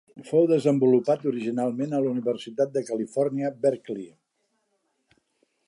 Fou desenvolupat originalment a la Universitat de Califòrnia, Berkeley.